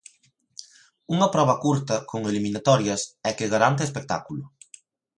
Unha proba curta, con eliminatorias e que garante espectáculo.